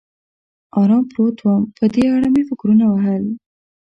ارام پروت ووم، په دې اړه مې فکرونه وهل.